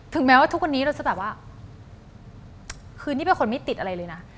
แม้ว่าทุกวันนี้เราจะแบบว่าคือนี่เป็นคนไม่ติดอะไรเลยนะ